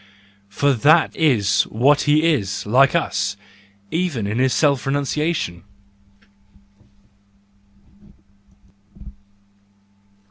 For that is what he is, like us, even in his self renunciation.